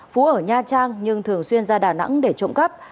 phú ở nha trang nhưng thường xuyên ra đà nẵng để trộm cắp